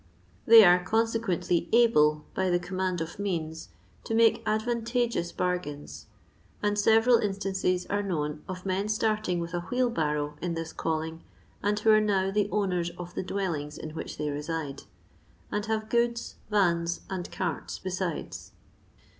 They are consequently able, by their command of means, to make advantageous bargains, and several instances are known of men starting with a wheelbarrow in this calling and who are now the owners of the dwdlinga in which they reside, and have goods, vans, and carts besides.